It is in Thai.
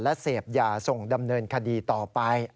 และเสพยาส่งดำเนินคดีต่อไป